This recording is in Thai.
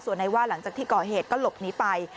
ส่วนนายว่าหลังจากที่ก่อเหตุก็หลบหนีไป